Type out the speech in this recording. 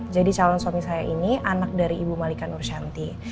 jadi calon suami saya ini anak dari ibu malika nur syanti